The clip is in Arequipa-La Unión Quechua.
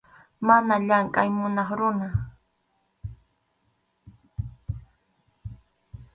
Mana llamkʼay munaq runa.